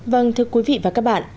vâng thưa quý vị và các bạn